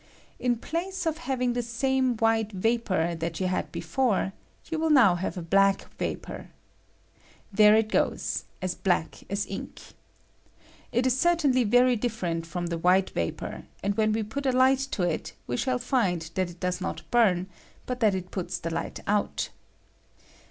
In place of having the same white vapor that you had before, you will now have a blaeh vapor. There it goes, as black as ink. It is certainly very different &om the white vapor ; and when we put a light 1*3 it we shall find that it does not burn, but it it puts the hght out.